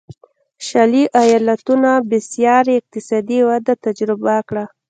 شلي ایالتونو بېسارې اقتصادي وده تجربه کړه.